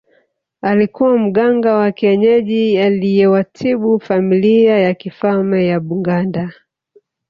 Alikuwa mganga wa kienyeji aliyewatibu familia ya kifalme ya Buganda